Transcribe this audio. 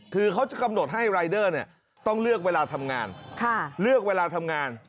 คือเขาจะกำหนดให้รายเดอร์นี่ต้องเลือกเวลาทำงาน